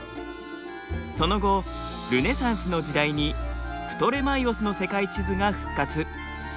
その後ルネサンスの時代にプトレマイオスの世界地図が復活。